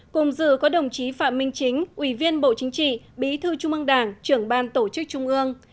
cùng dự có đồng chí phạm minh chính ủy viên bộ chính trị bí thư trung ương đảng trưởng ban tổ chức trung ương